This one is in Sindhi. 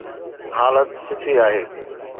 حالت سٺي آهي